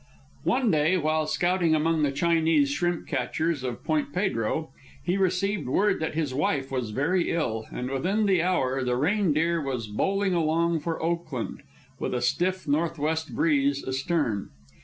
One day, while scouting among the Chinese shrimp catchers of Point Pedro, he received word that his wife was very ill; and within the hour the Reindeer was bowling along for Oakland, with a stiff northwest breeze astern.